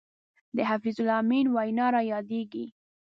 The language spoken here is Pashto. د حفیظ الله امین وینا را یادېږي.